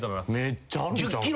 めっちゃあるんちゃう？